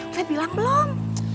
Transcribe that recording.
udah bilang belum